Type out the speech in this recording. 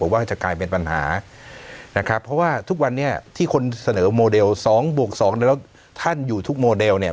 ว่าจะกลายเป็นปัญหานะครับเพราะว่าทุกวันนี้ที่คนเสนอโมเดล๒บวกสองแล้วท่านอยู่ทุกโมเดลเนี่ย